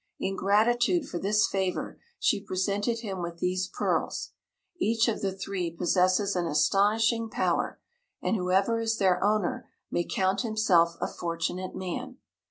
In gratitude for this favor she presented him with these pearls. Each of the three possesses an astonishing power, and whoever is their owner may count himself a fortunate man.